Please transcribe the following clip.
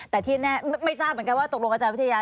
แต่ที่แน่ไม่ทราบเหมือนกันว่าตกลงอาจารย์วิทยา